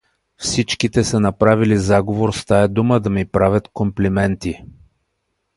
Всичките са направили заговор с тая дума да ми правят комплименти.